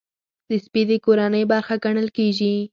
سپي د کورنۍ برخه ګڼل کېږي.